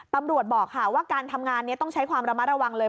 ตำรวจบอกค่ะว่าการทำงานนี้ต้องใช้ความระมัดระวังเลย